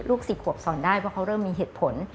ลูกสิทธิ์หวับสอนได้เพราะเขาเริ่มมีเหตุผล